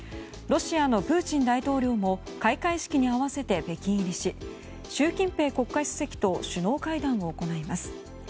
ロシアのプーチン大統領も開会式に合わせて北京入りし、習近平国家主席と首脳会談を行います。